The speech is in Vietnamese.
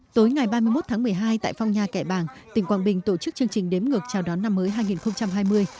tối ngày ba mươi một tháng một mươi hai tại phong nha kẻ bàng tỉnh quảng bình tổ chức chương trình đếm ngược chào đón năm mới hai nghìn hai mươi